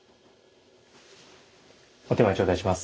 お点前頂戴します。